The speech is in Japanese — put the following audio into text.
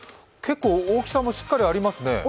結構大きさもしっかりありますね。